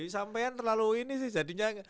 sampean terlalu ini sih jadinya